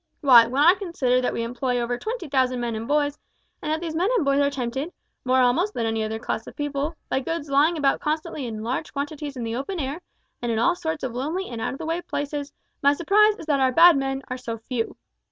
Why, when I consider that we employ over twenty thousand men and boys, and that these men and boys are tempted, more almost than any other class of people, by goods lying about constantly in large quantities in the open air, and in all sorts of lonely and out of the way places, my surprise is that our bad men are so few.